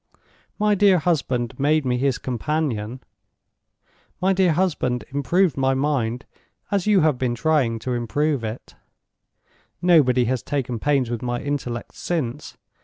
My dear husband made me his companion—my dear husband improved my mind as you have been trying to improve it. Nobody has taken pains with my intellect since.